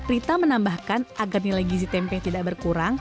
rita menambahkan agar nilai gizi tempe tidak berkurang